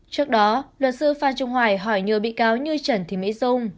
trước đó luật sư phan trung hoài hỏi nhờ bị cáo như trần thị mỹ dung